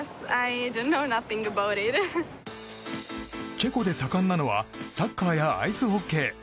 チェコで盛んなのはサッカーやアイスホッケー。